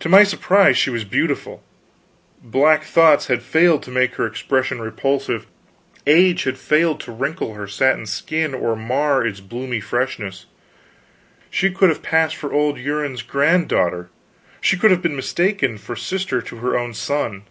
To my surprise she was beautiful; black thoughts had failed to make her expression repulsive, age had failed to wrinkle her satin skin or mar its bloomy freshness. She could have passed for old Uriens' granddaughter, she could have been mistaken for sister to her own son.